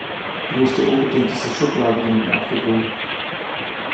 Du musst dir unbedingt dieses Schubladendenken abgewöhnen.